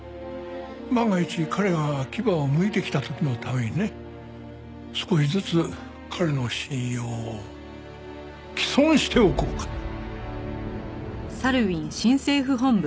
万が一彼が牙をむいてきた時のためにね少しずつ彼の信用を毀損しておこうかと。